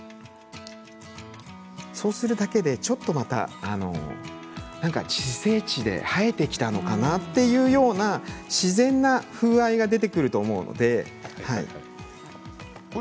そうするだけでちょっとまた自生地で生えてきたのかな？っていうような自然な風合いが出てくると思うので。